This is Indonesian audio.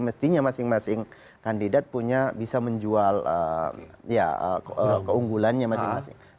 mestinya masing masing kandidat punya bisa menjual keunggulannya masing masing